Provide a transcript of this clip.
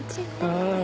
ああ。